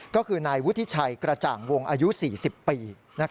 ก็คือนายวุฒิชัยกระจ่างวงอายุ๔๐ปี